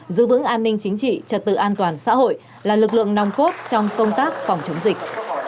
giữ vững an ninh chính trị trật tự an toàn xã hội là lực lượng nòng cốt trong công tác phòng chống dịch